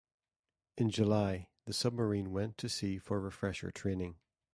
In July, the submarine went to sea for refresher training.